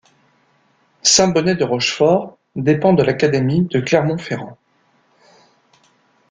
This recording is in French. Saint-Bonnet-de-Rochefort dépend de l'académie de Clermont-Ferrand.